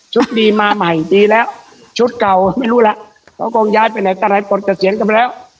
ชุดดีมาใหม่ดีแล้วชุดเก่าไม่รู้แล้วเขากลงย้ายไปไหนตลายปลดกระเสียงกันไปแล้ว